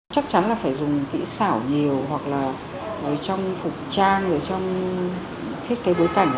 chắc chắn là phải dùng kỹ xảo nhiều hoặc là trong phục trang ở trong thiết kế bối cảnh